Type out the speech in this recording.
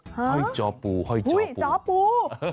เฮ้อจอปูอุ๊ยจอปู